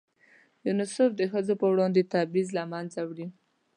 یونیسف د ښځو په وړاندې تبعیض له منځه وړي.